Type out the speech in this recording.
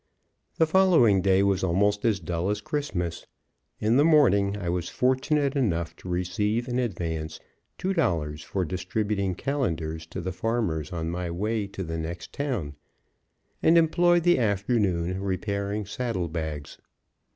The following day was almost as dull as Christmas. In the morning I was fortunate enough to receive in advance two dollars for distributing calendars to the farmers on my way to the next town, and employed the afternoon repairing saddle bags.